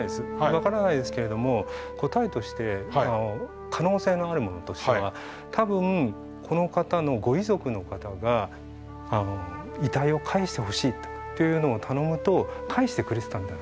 分からないですけれども答えとして可能性のあるものとしては多分この方のご遺族の方が遺体を返してほしいというのを頼むと返してくれてたみたいなんですね。